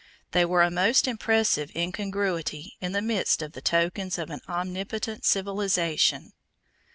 They were a most impressive incongruity in the midst of the tokens of an omnipotent civilization.